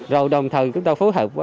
rồi đồng thời chúng ta phối hợp